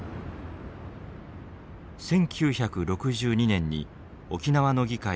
１９６２年に沖縄の議会